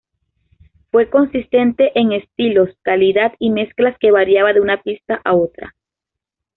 Fue consistente en estilos calidad y mezclas que variaba de una pista a otra.